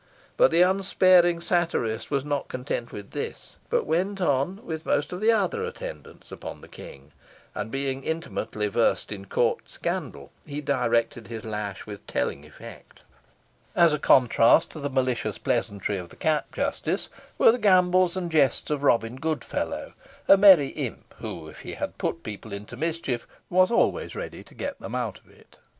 But the unsparing satirist was not content with this, but went on, with most of the other attendants upon the King, and being intimately versed in court scandal, he directed his lash with telling effect. As a contrast to the malicious pleasantry of the Cap Justice, were the gambols and jests of Robin Goodfellow a merry imp, who, if he led people into mischief, was always ready to get them out of it.